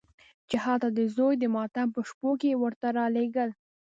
چې حتی د زوی د ماتم په شپو کې یې ورته رالېږل.